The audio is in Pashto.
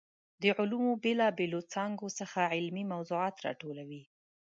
د علومو بېلا بېلو څانګو څخه علمي موضوعات راټولوي.